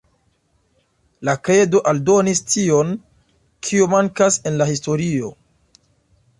La kredo aldonis tion kio mankas en la historio.